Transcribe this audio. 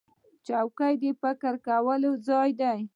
چوکۍ د فکر کولو ځای دی.